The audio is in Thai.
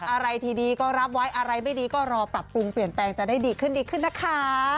อะไรที่ดีก็รับไว้อะไรไม่ดีก็รอปรับปรุงเปลี่ยนแปลงจะได้ดีขึ้นดีขึ้นนะคะ